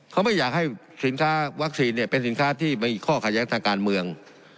เขาไม่อยากให้สินค้าวัคซีนเนี่ยเป็นสินค้าที่มีข้อขัดแย้งทางการเมือง